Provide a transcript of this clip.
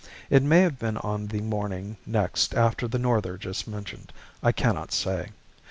It may have been on the morning next after the "norther" just mentioned. I cannot say.